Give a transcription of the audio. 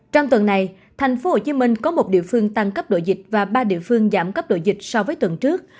trong tuần này tp hcm có một địa phương tăng cấp độ dịch và ba địa phương giảm cấp độ dịch so với tuần trước